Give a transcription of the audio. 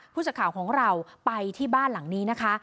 สักข่าวของเราไปที่บ้านหลังนี้นะคะ